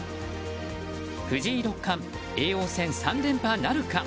藤井六冠、叡王戦３連覇なるか。